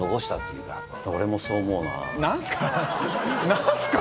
何すか？